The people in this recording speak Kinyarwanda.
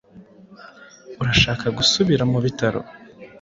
Urashaka gusubira mu bitaro?